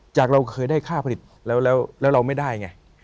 เราเคยได้ค่าผลิตแล้วเราไม่ได้ไง